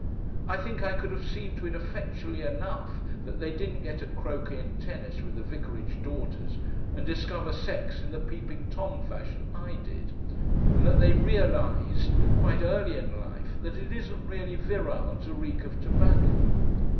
I think I could have seen to it effectually enough that they didn't get at croquet and tennis with the vicarage daughters and discover sex in the Peeping Tom fashion I did, and that they realised quite early in life that it isn't really virile to reek of tobacco.